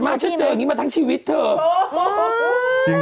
เกลียดมากฉันเจออย่างนี้มาทั้งชีวิตเถอะ